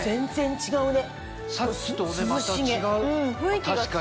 違うね。